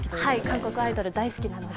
韓国アイドル、大好きなので。